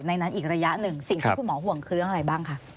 สวัสดีค่ะที่จอมฝันครับ